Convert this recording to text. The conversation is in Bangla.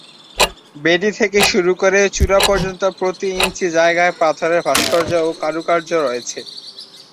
বেদী থেকে শুরু করে চূড়া পর্যন্ত প্রতি ইঞ্চি জায়গায় পাথরের ভাস্কর্য ও কারুকার্য রয়েছে।